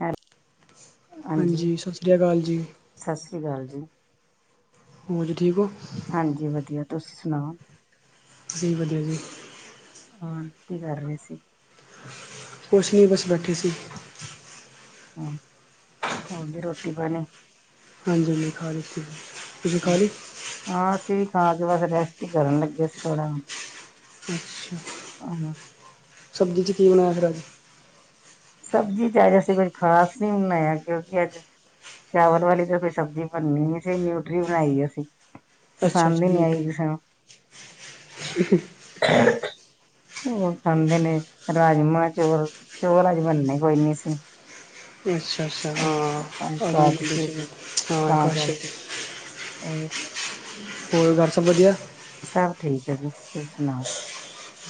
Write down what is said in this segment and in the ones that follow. ਹੈਲ ਹਾਂਜੀ ਸਾਸਰੀਆ ਅਕਾਲ ਜੀ। ਸਾਸਰੀ ਅਕਾਲ ਜੀ। ਹੋਰ ਜੀ ਠੀਕ ਓ ਹਾਂਜੀ ਵਧੀਆਂ, ਤੁਸੀਂ ਸੁਣਾਓ। ਅਸੀਂ ਵੀ ਵਧੀਆ ਜੀ। ਹੋਣ ਕੀ ਕਰ ਰਹੇ ਸੀ। ਕੁੱਛ ਨੀਂ ਬਸ ਬੈਠੇ ਸੀ। ਹੂੰ, ਹੋਰ ਜੀ ਰੋਟੀ ਪਾਣੀਂ। ਹਾਂਜੀ -ਹਾਂਜੀ ਖਾ ਲਿੱਤੀ। ਹਾਂ ਅਸੀਂ ਵੀ ਖਾਂ ਕੇ ਬਸ ਰੈਸਟ ਹੀ ਕਰਨ ਲੱਗੇ ਸੀ ਥੋੜਾ ਹਾਂ ਸਬਜ਼ੀ 'ਚ ਕੀ ਬਣਾਇਆ ਫਿਰ ਅੱਜ। ਸਬਜ਼ੀ ਚ ਅੱਜ ਅਸੀਂ ਕੋਈ ਖ਼ਾਸ ਨੀ ਬਣਾਇਆ ਕਿਉਂਕਿ ਅੱਜ ਚਾਵਲ ਵਾਲੀ ਤੇ ਕੋਈ ਸਬਜ਼ੀ ਬਣਨੀ ਨੀ ਸੀ ਨਿਊਟਰੀ ਬਣਾਈ ਏ ਅਸੀ। ਅੱਛਾ ਪਸੰਦ ਅੱਛਾ ਈ ਨੀ ਆਈ ਕਿਸੇ ਮਟਰ ਨੂੰ। [inaudible] ਓ ਖਾਂਦੇ ਨੇ, ਰਾਜਮਾਂ ਚੋਲ, ਚੋਲ ਅ ਬਣਨੇ ਕੋਈ ਨੀ ਸੀ। ਅੱਛਾ-ਅੱਛਾ, ਅੱਜ ਹਾਂ ਏਕਾਦਸ਼ੀ ਸੀ [unintelligible] ਹਾਂ ਕੁਛ। ਔਰ ਹੋਰ ਘਰ ਸਭ ਵਧੀਆ‌? ਸਭ ਠੀਕ ਆ ਜੀ, ਤੁਸੀਂ ਸੁਣਾਓ?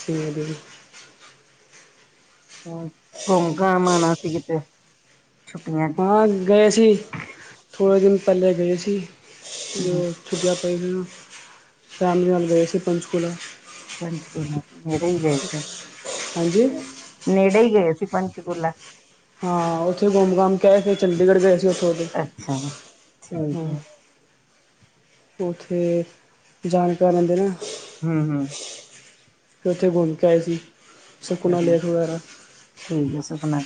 ਠੀਕ ਏ ਜੀ। ਘੁੰਮ-ਘੰਮ ਆਣਾ ਸੀ ਕਿਤੇ, ਛੁੱਟੀਆਂ ਚ ਹਾਂ ਗਏ ਸੀ, ਥੋੜੇ ਦਿਨ ਪਹਿਲੇ ਗਏ ਸੀ, ਹੂੰ ਮ [unintelligible] ਪਏ ਹਾ, ਫੈਮਲੀ ਨਾਲ ਗਏ ਸੀ ਪੰਚਕੂਲਾ। ਪੰਚਕੂਲਾ ਨੇੜੇ ‌ਈ ਗਏ ਸੀ, ਹਾਂਜੀ ਨੇੜੇ ‌ਈ ਗਏ ਸੀ ਪੰਚਕੂਲਾ। ਹਾਂ, ਓਥੇ ਘੁੰਮ-ਘੰਮ ਗਏ ਤੇ ਚੰਡੀਗੜ ਗਏ ਸੀ ਓਥੋ ਦੀ, ਅੱਛਾ ਠੀਕ ਹਾਂ। ਹੈ ਓਥੇ ਜਾਣਕਾਰ ਰਹਿੰਦੇ ਨਾ। ਹੂੰ ਹੂੰ। ਫੇਰ ਓਥੇ ਘੁੰਮ ਕੇ ਆਏ ਸੀ, ਸੁਖਨਾ ਚਲੋ ਲੇਕ ਵਗੈਰਾ। ਠੀਕ ਐ ਸੁਪਨਾ,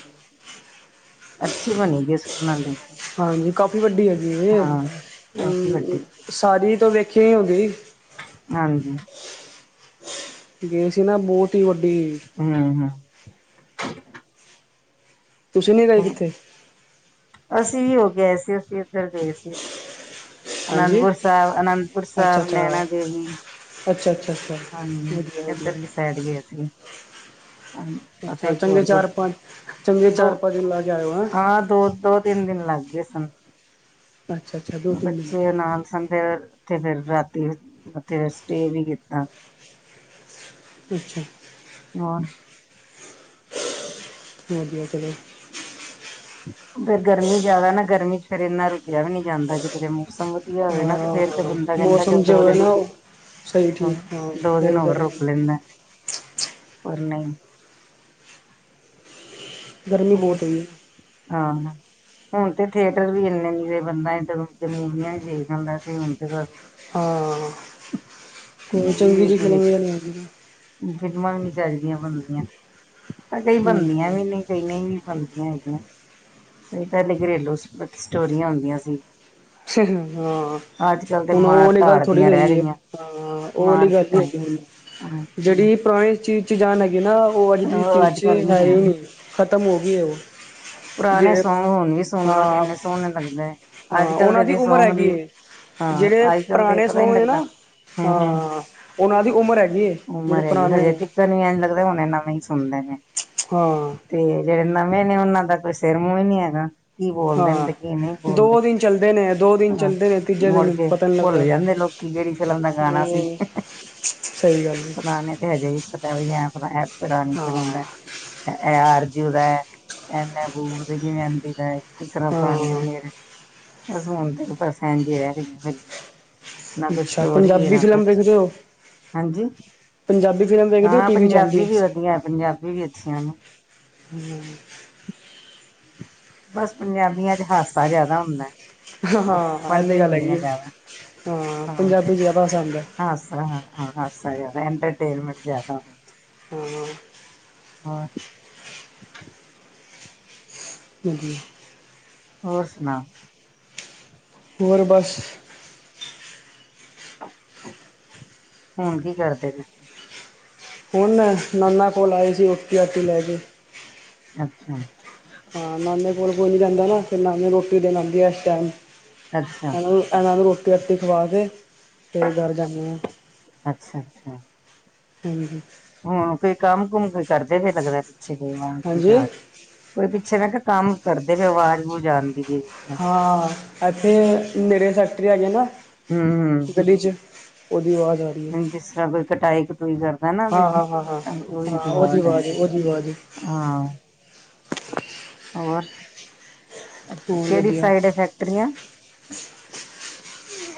ਅੱਛੀ ਬਣੀ ਪਈ ਏ ਸੁਪਨਾ ਲੇਕ। ਹਾਂਜੀ ਕਾਫੀ ਵੱਡੀ ਹੈਗੀ ਏ, ਹਾਂ ਕਾਫੀ ਅ ਵੱਡੀ ਸਾਰੀ ਤਾਂ ਵੇਖੀ ਈ ਨੀ ਹੁੰਦੀ। ਹਾਂਜੀ। ਗਏ ਸੀ ਨਾ ਬਹੁਤ ਈ ਵੱਡੀ ਏ। ਹੂੰ ਹੂੰ। ਤੁਸੀਂ ਨੀ ਗਏ ਹੂੰ ਕਿੱਥੇ? ਅਸੀਂ ਵੀ ਓ ਗਏ ਸੀ ਅਸੀਂ ਏਧਰ ਗਏ ਸੀ। ਹਾਂਜੀ ਅਨੰਦਪੁਰ ਸੈਬ, ਅਨੰਦਪੁਰ ਅੱਛਾ ਸੈਬ, ਅੱਛਾ ਨੇੈਣਾ ਦੇਵੀ। ਅੱਛਾ, ਅੱਛਾ, ਅੱਛਾ, ਵਧੀਆ-ਵਧੀਆ। ਸੈਡ ਗਏ ਸੀ। ਓਥੇ ਅੱਛਾ ਇਕ ਚੰਗੇ ਹੋਰ ਗੁਰ, ਚਾਰ ਪੰਜ ਚੰਗੇ ਦੋ ਚਾਰ ਪੰਜ ਦਿਨ ਲਾ ਕੇ ਆਏ ਹੋ ਹੈਂ ਹਾਂ ਦੋ-ਦੋ ਤਿੰਨ ਦਿਨ ਲੱਗ ਗੇ ਸਨ। ਅੱਛਾ ਅੱਛਾ ਦੋ ਤਿੰਨ ਦਿਨ ਬੱਚੇ ਨਾਲ ਸਨ, ਫੇਰ ਓਥੇ ਫੇਰ ਰਾਤੀ ਓਥੇ ਸਟੇਅ ਨੀ ਕੀਤਾ। ਅੱਛਾ। ਹੋਰ? ਵਧੀਆ ਚਲੋ। ਗਰਮੀ ਜਿਆਦਾ ਨਾ ਗਰਮੀ ਚ ਫੇਰ ਐਨਾ ਰੁਕਿਆ ਵੀ ਨੀ ਜਾਂਦਾ ਕੀਦਰੇ ਮੌਸਮ ਵਧੀਆ ਹੋਵੇ ਨਾ ਤੇ ਫੇਰ ਤੇ ਹਾਂ-ਹਾਂ, ਬੰਦਾ ਕਹਿੰਦਾ ਮੌਸਮ ਚੱਲ ਦੋ ਜਿਵੇਂ ਦਿਨ ਨਾ ਓ ਸਹੀ ਠੀਕ-ਠਾਕ, ਦੋ ਫੇਰ ਦਿਨ ਹੋਰ ਰੁਕ ਲੈਂਦਾ [unintelligible] ਪਰ ਨ‌ਈ। ਗਰਮੀ ਉਹ ਬਹੁਤ ਹੋਈ ਏ। ਹਾਂ। ਹੁਣ ਤੇ ਥੀਏਟਰ ਵੀ ਐਨੇ ਨੀ ਰਹੇ ਬੰਦਾ ਏਧਰ-ਓਧਰ ਮੁਵੀਆ ਦੇਖਦਾ ਹੁੰਦਾ ਸੀ ਹੁਣ ਤੇ ਬਸ ਹਾਂ। ਕੋਈ ਚੰਗੀ ਜੀ ਫਿਲਮ ਵੇ [unintelligible] ਫ਼ਿਲਮਾਂ ਵੀ ਨੀ ਚੱਜ ਦੀਆ ਬਣਦੀਆ, [unintelligible] ਕਈ ਬਣਦੀਆਂ ਵੀ ਨੀ। ਕਈ ਨਈ ਵੀ ਬਣਦੀਆਂ ਹੈਗੀਆਂ। ਪੈਲੇ ਘਰੇਲੂ ਸ ਸਟੋਰੀਆਂ ਹੁੰਦੀਆਂ ਸੀ। ਹਾਂ। ਅੱਜ ਕੱਲ੍ਹ ਤੇ ਹੁਣ ਉਹ ਮਾਰ ਆਲੀ ਗੱਲ ਧਾੜ ਥੋੜੀ ਦੀਆਂ ਰਹੀ ਰਹਿ ਏ, ਗਈਆਂ ਹਾਂ, ਉਹ ਮਾਰ ਵਾਲੀ ਗੱਲ ਕੁਟਾਈ ਨਹੀਂ ਹੁਣ। ਜਿਹੜੀ ਪੁਰਾਣੀ ਚੀਜ਼ ਚ ਜਾਨ ਹੈਗੀ ਨਾ, ਉਹ ਅੱਜ ਦੀ ਚੀਜ਼ ਚ ਹੈ ਈ ਨੀ। ਖ਼ਤਮ ਹੋਗੀ ਏ ਉਹ। ਪੁਰਾਣੇ ਜਿਹੜੇ ਸੌਂਗ ਹੁਣ ਵੀ ਸੁਣ ਲਓ ਤੇ ਹਾਂ ਇੰਨੇ ਸੋਹਣੇ ਲੱਗਦੇ ਅੱਜ ਹਾਂ ਉਹਨਾਂ ਕੱਲ੍ਹ ਦੇ ਦੀ ਉਮਰ ਸੌਂਗ ਹੈਗੀ ਦੀ ਏ ਹਾਂ ਜਿਹੜੇ ਅੱਜ ਕੱਲ ਦੇ ਪੁਰਾਣੇ ਪਤਾ ਹੀ ਨੀ ਸੌਂਗ, ਨੇ ਲੱਗਦਾ। ਨਾ ਹੂੰ ਹੂੰ ਹਾਂ, ਉਹਨਾਂ ਦੀ ਉਮਰ ਹੈਗੀ ਏ ਜਿਹੜੇ ਪੁਰਾਣੇ ਪਤਾ ਨਹੀਂ ਇੰਝ ਲੱਗਦਾ ਹੁਣੇ ਨਵੇਂ ਹੀ ਸੁਣ ਲੇ ਨੇ। ਹਾਂ। ਤੇ ਜਿਹੜੇ ਨਵੇਂ ਨੇ ਉਹਨਾਂ ਦਾ ਕੋਈ ਸੇਰ ਮੂੰਹ ਈ ਨੀ ਹੈਗਾ। ਕੀ ਬੋਲਦੇ ਨੇ, ਹਾਂ ਤੇ ਕੀ ਨਈ ਬੋਲਦੇ ਦੋ ਦਿਨ ਚੱਲਦੇ ਨੇ ਦੋ ਦਿਨ ਹਾਂ, ਚੱਲਦੇ ਨੇ ਤੀਜੇ ਮੁੜ ਦਿਨ ਕੇ ਪਤਾ ਨਹੀਂ ਭੁੱਲ ਲੱਗਦਾ ਜਾਂਦੇ ਲੋਕ ਕਿਹੜੀ ਫਿਲਮ ਦਾ ਗਾਣਾ ਸੀ, ਹੂੰ ਸਹੀ ਗੱਲ ਏ ਪੁਰਾਣੇ ਤੇ ਹਜੇ ਵੀ ਵੀ ਐ ਆਪਣਾ ਇਹ ਪਰਾਣੀ ਫਿਲਮ ਹਾਂ ਦੈ ਇਹ ਆਰਜੂ ਦੈ ਐ ਉਹ ਤੇ ਕਿ ਮਹਿੰਦੀ ਦਾ ਕਿਸ ਤਰ੍ਹਾਂ ਪਾਣੀ ਆ ਹਾਂ ਮੇਰੇ ਬਸ ਹੁਣ ਤੇ ਬਸ ਘੱਟ ਹੀ ਰਹਿ ਗਈਆਂ। ਨਾ ਕੋਈ ਅੱਛਾ ਸਟੋਰੀ ਏ ਪੰਜਾਬੀ ਨਾ ਫਿਲਮ ਕੁਛ। ਵੇਖਦੇ ਹੋ ਹਾਂਜੀ ਪੰਜਾਬੀ ਫਿਲਮ ਵੇਖਦੇ ਹੋ ਹਾਂ ਟੀ ਵੀ ਚ ਆਂਦੀ ਪੰਜਾਬੀ ਵੀ ਵਧੀਆ ਪੰਜਾਬੀ ਵੀ ਅੱਛੀਆਂ ਨੇ। ਹਮ [unintelligible] ਬਸ ਪੰਜਾਬੀਆਂ ਚ ਹਾਸਾ ਜਿਆਦਾ ਹੁੰਦੈ। ਹਾਂ ਇਹ ਤਾਂ ਗੱਲ ਹੈਗੀ ਏ ਹਾਂ ਪੰਜਾਬੀ ਜ਼ਿਆਦਾ ਹਸਾਂਦੇ ਹਾਸਾ ਹਾਂ ਹਾਸਾ ਜਾਦਾ ਐੰਟਰਟੇਨਮੈਂਟ ਜਾਦਾ। ਹਾਂ, ਹਾਂ। ਹਾਂ। ਹਾਂਜੀ। ਹੋਰ ਸੁਣਾਓ? ਹੋਰ ਬਸ। ਹੁਣ ਕੀ ਕਰਦੇ ਬੇ ਸੀ ਹੁਣ ਨਾਨਾ ਕੋਲ ਆਏ ਸੀ ਰੋਟੀ ਰਾਟੀ ਲੈ ਕੇ। ਅੱਛਾ। ਹਾਂ ਨਾਨੇ ਕੋਲ ਕੋਈ ਨੀ ਰਹਿੰਦਾ ਨਾ ਤੇ ਨਾਨੀ ਰੋਟੀ ਦੇਣ ਆਂਦੀ ਏ ਇਸ ਟਾਈਮ। ਅੱਛਾ ਇਹ ਇਹਨਾਂ ਨੂੰ ਰੋਟੀ ਰਾਟੀ ਖਵਾ ਕੇ ਫੇਰ ਘਰ ਜਾਂਨੇ ਆ। ਅੱਛਾ, ਅੱਛਾ। ਹਾਂਜੀ। ਹੁਣ ਕੋਈ ਕੰਮ ਕੁਮ ਕੋਈ ਕਰਦੇ ਜੇ ਲੱਗਦਾ ਪਿੱਛੇ ਕੋਈ ਵਾਜ ਵੂਜ ਹਾਂਜੀ ਆ ਰਹੀ ਏ। ਕੋਈ ਪਿੱਛੇ ਮੈਂ ਕਿਹਾ ਕੰਮ ਕਰਦੇ ਪੇ ਓ ਵਾਜ਼ ਵੁਜ ਆਂਦੀ ਬੀ ਏ। ਹਾਂ ਇੱਥੇ ਨੇੜੇ ਫੈਕਟਰੀ ਹੈਗੀ ਏ ਨਾ। ਹੂ। ਗਲੀ 'ਚ ਉਹਦੀ ਆਵਾਜ ਆ ਰੀ। ਜਿਸ ਤਰ੍ਹਾਂ ਕੋਈ ਕਟਾਈ ਕਟੂਈ ਕਰਦਾ ਨਾ ਵੇ ਹਾਂ ਹਾਂ ਹਾਂ ਹਾਂ ਉਹੀ ਹਾਂ ਦਵਾ ਉਹਦੀ ਆਵਾਜ਼ ਆਂਦੀ। ਉਹਦੀ ਆਵਾਜ਼ ਹਾਂ ਹੋਰ। ਅੱਛ ਹੋਰ ਕਿਹੜੀ ਵਧੀਆ ਸਾਈਡ ਏ ਫੈਕਟਰੀਆਂ।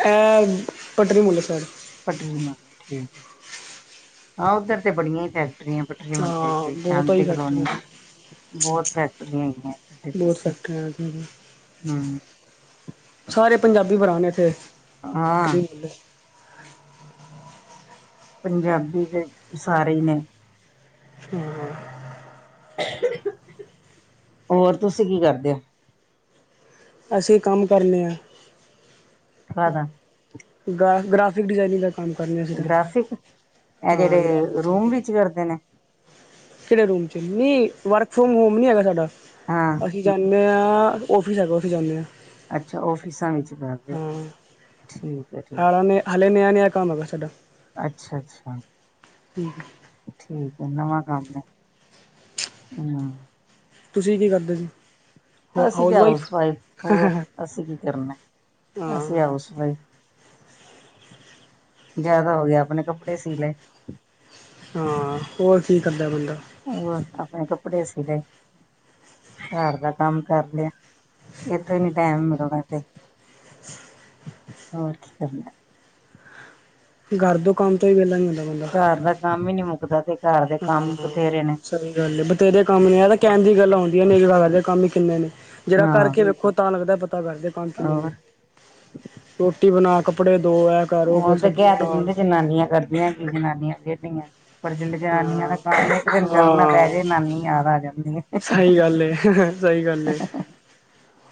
ਇਹ ਪਟਰੀ ਮੁੱਹਲੇ ਸੈਡ। ਪਟਰੀ ਮੁਹੱਲੇ ਠੀਕ ਹਾਂ ਉਧਰ ਤੇ ਬੜੀਆਂ ਹੀ ਫੈਕ ਪਟਰੀਆਂ-ਪਟਰੀਆਂ ਹਾਂ ਮਹੱਲੇ ਬਹੁਤ ਹੀ ਸ਼ਾਂਤੀ ਕਲੋਨੀ। ਫੈਕਟਰੀਆਂ ਨੇ ਬੋਤ ਫੈਕਟਰੀਆਂ ਹੈਗੀਆਂ ਥੋਡੇ ਬਹੁਤ ਪਾਸੇ, ਫੈਕਟਰੀਆਂ ਨੇ ਹੂੰ। ਸਾਰੇ ਪੰਜਾਬੀ ਭਰਾ ਨੇ ਏਥੇ, ਹਾਂ ਪਟਰੀਆਂ ਮਹੱਲੇ। ਪੰਜਾਬੀ ਦੇ ਸਾਰੇ ਈ ਨੇ। ਹੂੰ, ਹੂੰ। ਹੋਰ ਤੁਸੀਂ ਕੀ ਕਰਦੇ ਓਂ। ਅਸੀਂ ਕੰਮ ਕਰਨੇ ਆਂ। ਕਾਦਾ। ਗਾ ਗ੍ਰਾਫਿਕ ਡਿਜ਼ਾਇਨਿੰਗ ਤੱਕ। ਕੰਮ ਕਰਨੇ ਆ ਅਸੀਂ ਤਾਂ, ਗ੍ਰਾਫਿਕ ਇਹ ਹਾਂ ਗਰਾਫਿਕ ਜਿਹੜੇ ਰੂਮ ਡਜ਼ਾਈਨਿੰਗ। ਵਿੱਚ ਕਰਦੇ ਨੇ ਕੇੜੇ ਰੂਮ ਚ, ਨਈਂ ਵਰਕ ਫਰੋਮ ਹੋਮ ਨੀ ਹੈਗਾ ਸਾਡਾ। ਹਾਂ। ਅਸੀਂ ਜਾਂਨੇ ਆਂ ਔਫਿਸ ਹੈਗਾ ਔਫਿਸ ਜਾਂਨੇ ਆਂ। ਅੱਛਾ ਔਫਿਸਾਂ ਵਿੱਚ ਕਰਦੇ ਓਂ, ਠੀਕ ਐ ਠੀ ਹਾਲਾਂ ਨੇ ਹਲੇ ਨਆ-ਨਆ ਕੰਮ ਹੈਗਾ ਸਾਡਾ। ਅੱਛਾ-ਅੱਛਾ। ਠੀਕ ਐ ਨਵਾਂ ਕੰਮ ਐ, ਹੂੰ। ਤੁਸੀਂ ਕੀ ਕਰਦੇ ਜੀ। ਅਸੀਂ ਤੇ ਹਾਊਸ ਵਾਈਫ ਹੋਰ ਹਾਂ ਅਸੀਂ ਕੀ ਕਰਨਾ, ਅਸੀਂ ਹਾਊਸ ਵਾਈਫ। ਜਾਦਾ ਹੋ ਗੇਆ ਆਪਨੇ ਕੱਪੜੇ ਸੀਅ ਲਏ। ਹਾਂ, ਹੋਰ ਕੀ ਕਰਦਾ ਬੰਦਾ। ਹੋਰ ਆਪਨੇ ਕੱਪੜੇ ਸੀਲੇ। ਘਰ ਦਾ ਕੰਮ ਕਰਲੇਆ, ਏੱਥੇ ਈ ਨੀ ਟੈਮ ਮਿਲਦਾ ਤੇ ਹੋਰ ਕੀ ਕਰਨੈ? ਗਰ ਦੋ ਕੰਮ ਤੋਂ ਈ ਵੇਲਾ ਨੀ ਹੁੰਦਾ ਬੰਦਾ। ਘਰ ਦਾ ਕੰਮ ਈ ਨੀ ਮੁੱਕਦਾ ਤੇ। ਘਰ ਦੇ ਹਾਂ, ਕੰਮ ਬਥੇਰੇ ਨੇ ਸਈ ਗੱਲ ਏ ਬਤੇਰੇ ਕੰਮ ਨੇ ਆ ਤਾਂ ਕੈਨ ਦੀ ਗੱਲਾਂ ਹੁੰਦੀਆਂ ਨੇ [unintelligible] ਕੰਮ ਈ ਕਿੰਨੇ ਨੇ ਜਰਾ ਹਾਂ ਕਰਕੇ ਵੇਖੋ ਤਾਂ ਲੱਗਦਾ ਪਤਾ ਗਰਦੇ ਕੰਮ ਕਿੰਨੇ ਨੇ। ਹੋਰ। ਰੋਟੀ ਬਨਾ ਕੱਪੜੇ ਦੋਅ ਐ ਓਂ ਤੇ ਕੈ ਤੇ ਦਿੰਦੇ ਜਨਾਨੀਆਂ ਕਰਦੀਆਂ ਕੀ ਜਨਾਨੀਆਂ ਖੇਡਦੀ ਐਂ ਪਰ ਜੇ ਜਨਾਨੀਆਂ ਦਾ ਹਾਂ ਕੰਮ ਇੱਕ ਦਿਨ ਕਰਨਾ ਹਾਂ ਪੈ ਜੇ ਨਾਨੀ ਯਾਦ ਆ ਜਾਂਦੀ ਐ। ਸਈ ਗੱਲ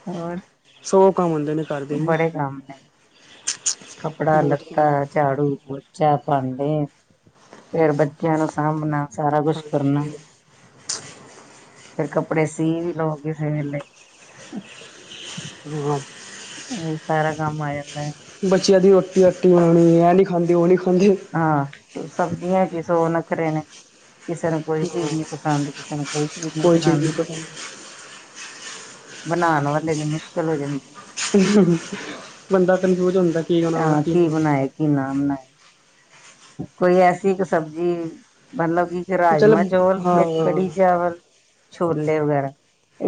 ਹੋਰ ਸੋ ਕੰਮ ਹੁੰਦੇ ਨੇ। ਘਰ ਦੇ ਵੀ ਬੜੇ ਕੰਮ ਨੇ, ਕੱਪੜਾ ਬਹੁਤ ਲੱਤਾ ਕੰਮ ਐ, ਝਾੜੂ ਪੋ ਚਾ ਭਾਂਡੇ, ਫੇਰ ਬੱਚੇਆਂ ਨੂੰ ਸਾਂਭਨਾ ਸਾਰਾ ਕੁਛ ਕਰਨਾ ਹਾਂਜੀ ਫੇਰ ਕੱਪੜੇ ਸੀਅ ਵੀ ਲਓ ਕਿਸੇ ਵੇਲੇ ਹਾਂ ਓ ਸਾਰਾ ਕੰਮ ਆ ਜਾਂਦੈ। ਬੱਚੇਆਂ ਦੀ ਰੋਟੀ ਰਾਟੀ ਬਨੋਨੀ ਐ ਨੀ ਖਾਂਦੇ ਓ ਨੀ ਖਾਂਦੇ ਹਾਂ, ਸਬਜੀਆਂ ਚੀ ਸੌ ਨੱਖਰੇ ਨੇ। ਕਿਸੇ ਨੂੰ ਕੋਈ ਚੀਜ ਨੀ ਪਸੰਦ ਕਿਸੇ ਨੂੰ ਕੋਈ ਚੀਜ ਨੀ ਕੋਈ ਚੀਜ਼ ਪਸੰਦ ਨਹੀਂ ਬਨਾਨ ਵਾਲੇ ਦੀ ਮੁਸ਼ਕਲ ਹੋ ਜਾਂਦੀ ਬੰਦਾ ਕਨਫਿਊਜ਼ ਹੁੰਦਾ ਕੀ ਬਣਾਵਾਂ ਹਾਂ ਨਾ ਕੀ ਬਨਾਏਆ ਬਣਾਵਾਂ। ਕੀ ਨਾ ਬਨਾਏਆ ਕੋਈ ਐਸੀ ਇੱਕ ਸਬਜੀ, ਮਤਲਬ ਇੱਕ ਚੱਲ ਰਾਜਮਾਂ ਚੋਲ, ਏਕ ਕੜੀ ਹਾਂ ਚਾਵਲ ਛੋਲੇ ਵਗੈਰਾ,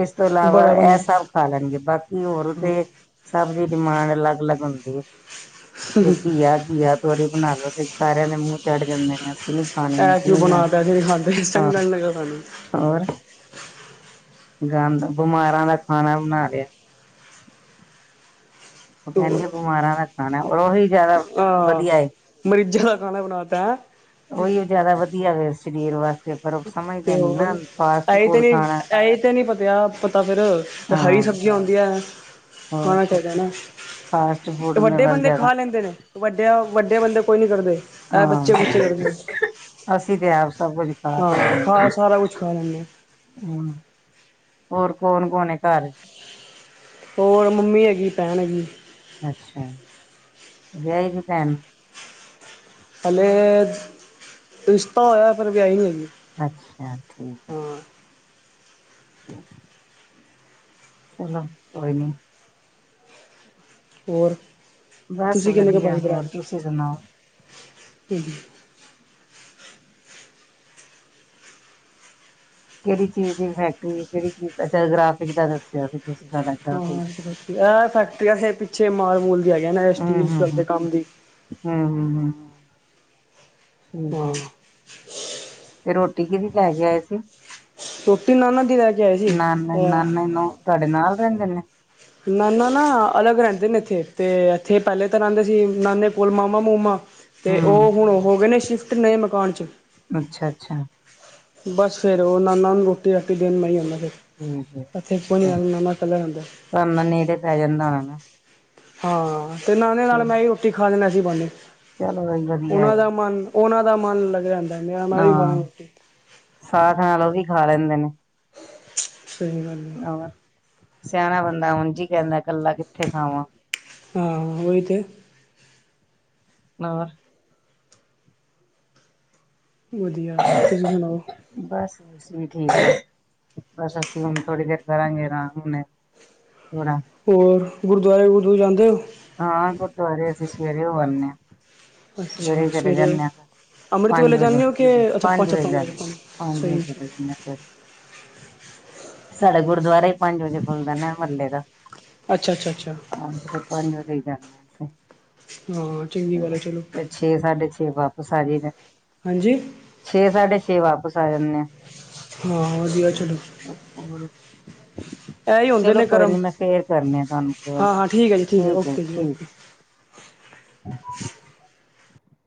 ਇਸ ਤੋਂ ਇਲਾਵਾ ਬੜਾ ਬੰ ਐ ਸਭ ਖਾ ਲੈਣਗੇ ਬਾਕੀ ਹੋਰ ਇਹ ਤੇ ਸਭ ਦੀ ਡਿਮਾਂਡ ਆਲੱਗ-ਆਲੱਗ ਹੁੰਦੀ ਏ, ਜੇ ਘੀਆ ਘੀਆ ਤੋਰੀ ਬਣਾ ਲੋ ਤੇ ਸਾਰੇਆਂ ਦੇ ਮੂੰਹ ਚੜ ਜਾਂਦੇ ਨੇ ਅਸੀਂ ਨੀ ਖਾਣੀ ਅਸੀਂ ਕਿਉਂ ਨੀ, ਬਣਾਤਾ ਫਿਰ ਖਾਂਦੇ ਆਹ ਸੰਗਲ ਲਗਾ ਖਾਣੀ ਹੋਰ, ਗੰਦ ਬਮਾਰਾਂ ਦਾ ਖਾਣਾ ਬਨਾ ਲਿਆ। ਉਹ ਤੋ ਕਹਿਣਗੇ ਬਮਾਰਾਂ ਦਾ ਖਾਣਾ ਓਹੀ ਜਾਦਾ, ਵਦੀਆ ਏ। ਮਰੀਜਾਂ ਦਾ ਖਾਣਾ ਬਣਾਤੈ ਐ ਓਈਓ ਜਾਦਾ ਵਦੀਆ ਵੇ ਸਰੀਰ ਵਾ ਤੇ ਹੋਰ, ਆਈ ਤੇ ਫੂਡ ਨੀ, ਖਾਣਾ ਐਈ ਤੇ ਨੀ ਪਤਿਆ ਪਤਾ ਫੇਰ ਤੇ ਹਰੀ ਹਾਂ ਸਬਜੀਆਂ ਹੁੰਦੀਐ ਹੋਰ ਖਾਣਾ ਚਾਈਦੈ ਨਾ, ਫਾਸਟ ਫੂਡ ਦੇ ਵੱਡੇ ਵੱਲ ਬੰਦੇ ਜ਼ਿਆਦਾ ਖਾ ਲੈਂਦੇ ਨੇ ਵੱਡੇਆ ਵੱਡੇ ਬੰਦੇ ਕੋਈ ਨੀ ਕਰਦੇ, ਐ ਬੱਚੇ-ਕੁਛ ਹਾਂ ਕਰਦੇ ਨੇ ਅਸੀਂ ਤੇ ਆਪ ਸਬ ਕੁਝ ਖ਼ਾ ਹਾਂ ਖਾ ਕੇ ਸਾਰਾ ਕੁਛ ਖਾ ਲੈਂਦੇ ਹੂੰ, ਹੋਰ ਕੌਣ-ਕੌਣ ਐ ਘਰ ਏਚ? ਤੇ ਹੋਰ ਮੰਮੀ ਐਗੀ, ਭੈਣ ਐਗੀ। ਅੱਛਾ, ਵਿਆਈ ਦੀ ਭੈਣ? ਹਲੇ, ਰਿਸ਼ਤਾ ਹੋਏਆ ਪਰ ਵਿਆਈ ਹੋਈ ਏ ਅੱਛਾ, ਠੀਕ ਏ ਚਲੋ ਕੋਈ ਨੀ ਹੋਰ? ਬਾਸ ਤੁਸੀਂ ਕਿੰਨੇ ਕੁ ਵਦੀਆ ਭਾਈ ਭਰਾ ਹੋਰ ਨੇ ਤੁਸੀਂ ਸਨਾਓ? [unintelligible] ਕਿਹੜੀ ਚੀਜ ਦੀ ਫੈਕਟਰੀ ਕਿਹੜੀ ਚੀਜ, ਅੱਛਾ ਗ੍ਰਰਾਫਿਕ ਦਾ ਦੱਸੇਆ ਸੀ ਤੁਸੀਂ ਤੁਹਾਡਾ ਗ੍ਰਾਫਿਕ ਹਾਂ ਦੱਸਿਆ ਐ ਫੈਕਟਰੀ ਅੱਗੇ- ਪਿੱਛੇ ਮਾਲ-ਮੂਲ ਜੇ ਹੈਗੇ ਨੇ ਸਟੀਲ ਸਟਾਈਲ ਦੇ ਕਾਮ ਦੀ ਹੂੰ-ਹੂੰ ਹਾਂ, ਠੀਕ ਐ। ਹਾਂ ਤੇ ਰੋਟੀ ਕਿਹਦੀ ਲੈ ਕੇ ਆਏ ਸੀ? ਰੋਟੀ ਨਾਨਾ ਦੀ ਲੈ ਕੇ ਆਏ ਸੀ ਨਾਨੇ ਅ ਨਾਨੇ ਨੂੰ ਤੁਹਾਡੇ ਨਾਲ ਰਹਿੰਦੇ ਨੇ? ਨਾਨਾ ਨਾ ਅਲੱਗ ਰਹਿੰਦੇ ਨੇ ਇੱਥੇ ਤੇ ਇੱਥੇ ਪਹਿਲੇ ਤਾਂ ਰਹਿੰਦੇ ਸੀ ਨਾਨੇ ਕੋਲ ਮਾਮਾ-ਮੂਮਾ ਤੇ ਹੂੰ ਉਹ ਹੁਣ ਹੋ ਗਏ ਨੇ ਸ਼ਿਫਟ ਨਏ ਮਕਾਨ 'ਚ। ਅੱਛਾ ਅੱਛਾ। ਬਸ ਫੇਰ ਉਹ ਨਾਨਾ ਨੂੰ ਰੋਟੀ-ਰਾਟੀ ਦੇਣ ਮੈ ਹੀ ਆਣਾ ਫੇਰ। ਠੀਕ ਐ ਤਾਨੂੰ ਰਹਿੰਦਾ ਨਾਨਾ ਨੇੜੇ ਪੈ ਜਾਂਦਾ ਹੋਣਾ ਨਾ? ਹਾਂ ਤੇ ਨਾਨੇ ਨਾਲ ਅੱਛਾ ਮੈਂ ਹੀ ਰੋਟੀ ਖਾ ਲੈਨਾ ਏਸੇ ਬਾਨੇ ਚਲੋ ਵੀ ਵਧੀਆ ਉਹਨਾਂ ਹੈਗਾ ਦਾ ਮਨ ਉਹਨਾਂ ਦਾ ਮਨ ਲੱਗ ਜਾਂਦੈ ਹਾਂ ਸਾਥ ਨਾਲ ਉਹ ਵੀ ਖਾ ਲੈਂਦੇ ਨੇ। ਸਹੀ ਗੱਲ ਏ ਹੋਰ ਸਿਆਣਾ ਬੰਦਾ ਉਂਝ ਹੀ ਕਹਿੰਦਾ ਕੱਲਾ ਕਿੱਥੇ ਖਾਵਾਂ। ਹਾਂ ਉਹੀ ਤੇ। ਹੋਰ ਵਧੀਆ, ਤੁਸੀਂ ਸੁਣਾਓ? ਬਸ ਬਸ ਅਸੀ ਵੀ ਠੀਕ ਐ ਬਸ ਅਸੀਂ ਹੁਣ ਥੋੜੀ ਦੇਰ ਕਰਾਂਗੇ ਅਰਾਮ ਹੁਣੇ ਥੋੜਾ ਹੋਰ ਗੁਰਦੁਆਰੇ ਗੁਰਦਵੁਰੇ ਜਾਂਦੇ ਹੋ? ਹਾਂ ਗੁਰਦੁਆਰੇ ਅਸੀਂ ਸਵੇਰੇ ਹੋ ਆਨੇ ਆ ਸਵੇਰੇ ਚਲੇ ਜਾਨੇ ਆ ਅੰਮ੍ਰਿਤ ਪੰਜ ਵੇਲੇ ਵਜੇ, ਜਾਂਦੇ ਹੋ ਕਿ ਅੱਛਾ ਪੰਜ ਵਜੇ, ਪੰਜ ਹਾਂਜੀ ਸਹੀ [unintelligible] ਸਾਡਾ ਗੁਰਦੁਆਰਾ ਈ, ਪੰਜ ਵਜੇ ਖੁੱਲਦਾ ਨਾ ਮਹੱਲੇ ਦਾ ਅੱਛਾ ਅੱਛਾ ਅੱਛਾ ਪੰਜ ਵਜੇ ਈ, ਜਾਨੇ ਆ ਅਸੀਂ। ਹਾਂ, ਚੰਗੀ ਗੱਲ ਐ ਚਲੋ। ਫਿਰ ਛੇ ਸਾਢੇ ਛੇ, ਵਾਪਿਸ ਆ ਜਾਈਦਾ। ਹਾਂਜੀ? ਛੇ ਸਾਢੇ ਛੇ, ਵਾਪਿਸ ਆ ਜਾਨੇ ਆ। ਹਾਂ, ਵਧੀਆ ਚਲੋ। ਹੋਰ ਇਹ ਹੀ ਹੁੰਦੇ ਚਲੋ ਨੇ ਕੋਈ ਨੀ, ਕਰਮ ਮੈਂ ਫੇਰ ਕਰਨੀ ਆ ਤੁਹਾਨੂੰ ਕੌਲ, ਹਾਂ ਹਾਂ ਹੈ ਜੀ ਹੈ ਠੀਕ ਐ ਓਕੇ ਜੀ ਠੀਕ। ਓਕੇ